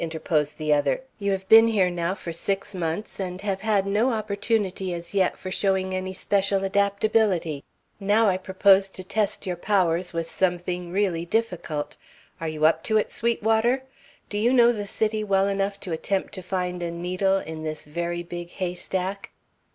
interposed the other. "You have been here now for six months, and have had no opportunity as yet for showing any special adaptability. Now I propose to test your powers with something really difficult. Are you up to it, Sweetwater? Do you know the city well enough to attempt to find a needle in this very big haystack?"